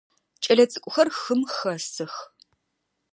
Кӏэлэцӏыкӏухэр хым хэсых.